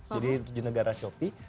jadi tujuh negara shopee